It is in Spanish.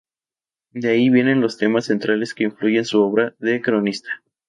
De ahí vienen los temas centrales que influyen su obra de cronista.